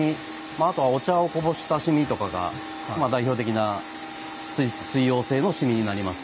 あとはお茶をこぼした染みとかが代表的な水溶性の染みになります。